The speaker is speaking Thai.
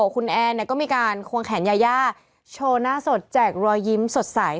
คุณแอนก็มีการควงแขนยายาโชว์หน้าสดแจกรอยยิ้มสดใส